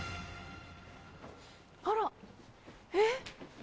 あらえっ？